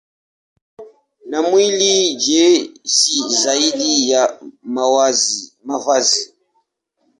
Na mwili, je, si zaidi ya mavazi?